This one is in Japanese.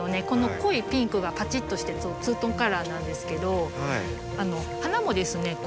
この濃いピンクがパチッとしてツートンカラーなんですけど花もですね